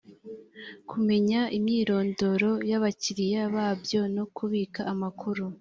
kumenya imyirondoro y’ abakiriya babyo no kubika amakuru.